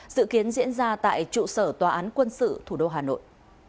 dự kiến diễn ra tại trụ sở tòa án quân sự thủ đô hà nội